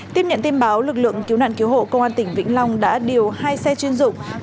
tiếp nhận tin báo lực lượng cứu nạn cứu hộ công an tỉnh vĩnh long đã điều hai xe chuyên dụng